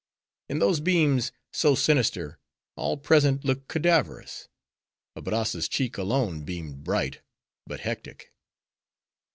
In those beams, so sinister, all present looked cadaverous: Abrazza's cheek alone beamed bright, but hectic.